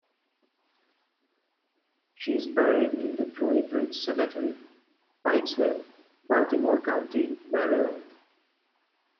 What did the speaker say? She is buried in the Druid Ridge Cemetery, Pikesville, Baltimore County, Maryland.